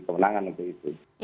kemenangan untuk itu